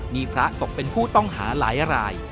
มีพระตกเป็นผู้ต้องหาหลายราย